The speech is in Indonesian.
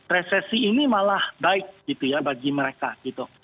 resesi ini malah baik gitu ya bagi mereka gitu